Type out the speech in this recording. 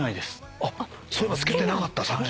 あっそういえば付けてなかったさっき。